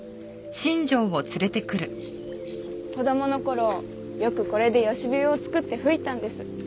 子供の頃よくこれで葦笛を作って吹いたんです。